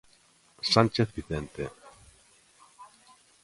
Sánchez Vicente.